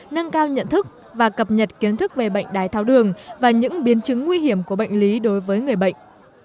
nâng cao nhận thức và cập nhật kiến thức về bệnh đái tháo đường và những biến chứng nguy hiểm của bệnh lý đối với người bệnh